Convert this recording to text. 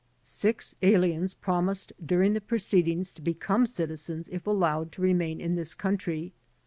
Six aliens promised during the proceed ings to become citizens if allowed to remain in this coun try.